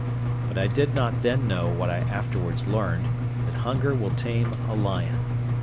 But I did not then know what I afterwards learned, that hunger will tame a lion.